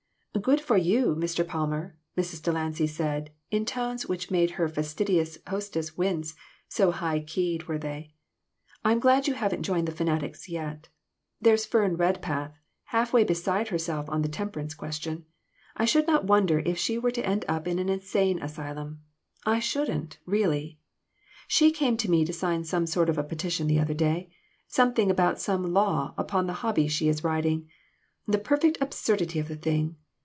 GOOD for you, Mr. Palmer!" Mrs. Delancy said, in tones which made her fastidious hostess wince, so high keyed were they. " I'm glad you haven't joined the fanatics yet. There's Fern Redpath, half way beside herself on the temperance question. I should not wonder if she were to end in an insane asylum I shouldn't, really ! She came to me to sign some sort of a petition the other day something about some law upon the hobby she is riding. The perfect absurdity of the thing